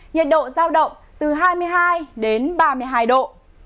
nhiệt độ giao động từ hai mươi hai đến ba mươi hai độ